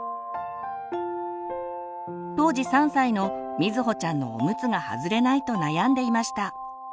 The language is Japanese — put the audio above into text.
当時３歳の瑞穂ちゃんのおむつが外れないと悩んでいました。